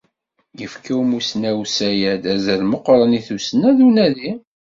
Yefka umussnaw Sayad azal meqqren i tussna d unadi.